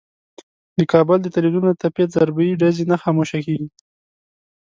د کابل د ټلوېزیون له تپې ضربهیي ډزې نه خاموشه کېږي.